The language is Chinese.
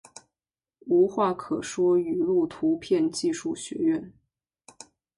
无话可说语录图片技术学院